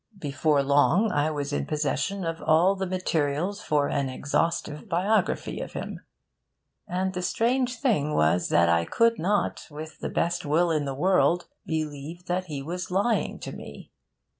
Before long I was in possession of all the materials for an exhaustive biography of him. And the strange thing was that I could not, with the best will in the world, believe that he was lying to me.